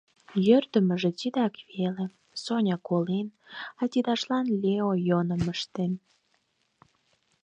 Йӧрдымыжӧ тидак веле – Соня колен, а тидыжлан Лео йӧным ыштен.